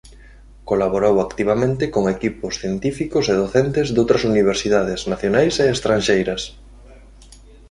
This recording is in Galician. Colaborou activamente con equipos científicos e docentes doutras Universidades nacionais e estranxeiras.